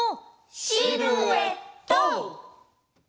シルエット！